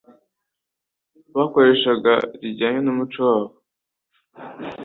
bakoreshaga rijyanye n'umuco wabo